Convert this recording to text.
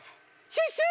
シュッシュ？